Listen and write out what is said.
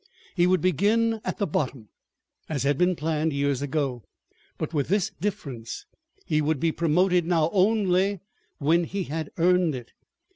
He would begin at the bottom, as had been planned years ago; but with this difference: he would be promoted now only when he had earned it.